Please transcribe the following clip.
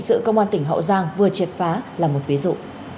sự công an tỉnh hậu giang vừa triệt phá là một ví dụ